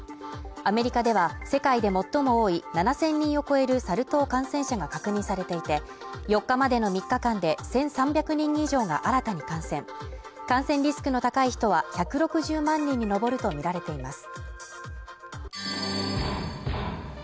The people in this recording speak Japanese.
アメリカでは世界で最も多い７０００人を超えるサル痘感染者が確認されていて４日までの３日間で１３００人以上が新たに感染感染リスクの高い人は１６０万人に上るとみられています